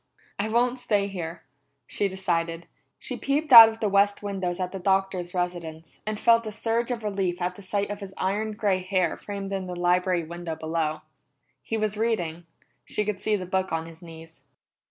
"I won't stay here!" she decided. She peeped out of the west windows at the Doctor's residence, and felt a surge of relief at the sight of his iron gray hair framed in the library window below. He was reading; she could see the book on his knees.